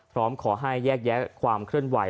พร้อมขอให้แยกแยะความเคลื่อนไหว